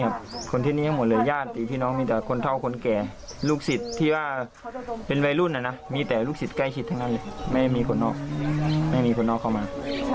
พี่น้องมีแต่คนเท่าคนแก่ลูกศิษย์ที่ว่าเป็นวัยรุ่นน่ะนะมีแต่ลูกศิษย์ใกล้ชิดทั้งนั้นเลยไม่มีคนนอกไม่มีคนนอกเข้ามา